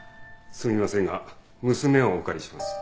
すみませんが娘をお借りします。